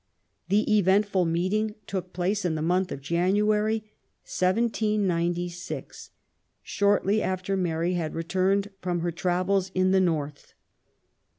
The eventful meeting took place in the month of January, 1796, shortly after Mary had returned from her travels in the North.